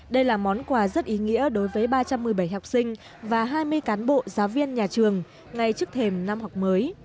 đây là món quà rất ý nghĩa đối với ba trăm một mươi bảy học sinh và hai mươi cán bộ giáo viên nhà trường ngay trước thềm năm học mới